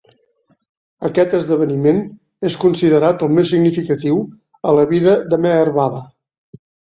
Aquest esdeveniment és considerat el més significatiu a la vida de Meher Baba.